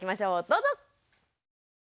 どうぞ！